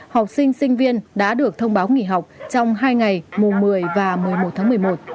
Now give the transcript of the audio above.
học sinh sinh viên đã được thông báo nghỉ học trong hai ngày mùng một mươi và một mươi một tháng một mươi một